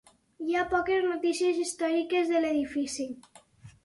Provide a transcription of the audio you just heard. Hi ha poques notícies històriques de l'edifici.